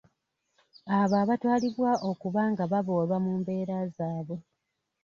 Abo abatwalibwa okuba nga baboolwa mu mbeera zaabwe.